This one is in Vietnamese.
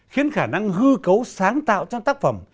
khiến khả năng hư cấu sáng tạo trong tác phẩm